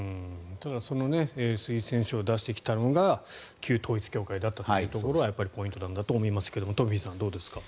ただその推薦書を出してきたのが旧統一教会だったというところがポイントなんだと思いますがトンフィさん、どうですか。